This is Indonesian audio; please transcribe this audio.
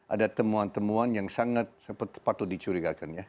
ada temuan temuan yang sangat patut dicurigakan ya